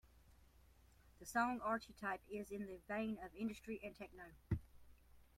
The song "Archetype" is in the vein of industrial and techno.